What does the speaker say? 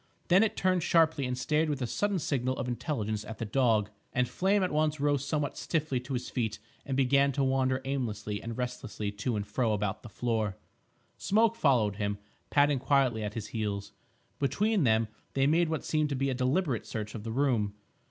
Then it turned sharply and stared with a sudden signal of intelligence at the dog, and Flame at once rose somewhat stiffly to his feet and began to wander aimlessly and restlessly to and fro about the floor. Smoke followed him, padding quietly at his heels. Between them they made what seemed to be a deliberate search of the room.